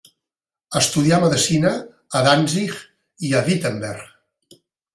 Estudià medicina a Danzig i a Wittenberg.